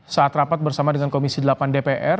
saat rapat bersama dengan komisi delapan dpr